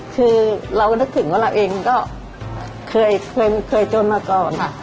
คือเราก็นึกถึงว่าเราเองก็เคยจนมาก่อนค่ะ